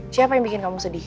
siapa yang bikin kamu sedih